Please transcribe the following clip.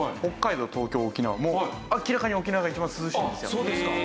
あっそうですか。